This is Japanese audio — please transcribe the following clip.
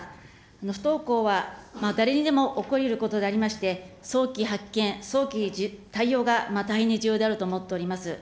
不登校は誰にでも起こりうることでありまして、早期発見、早期対応が大変に重要であると思っております。